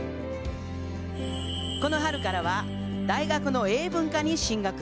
この春からは大学の英文科に進学。